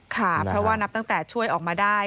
ค่ะเพราะว่านับตั้งแต่ช่วยออกมาได้